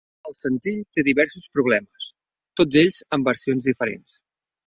El senzill té diversos problemes, tots ells amb versions diferents.